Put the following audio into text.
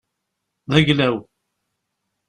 D ayla-w.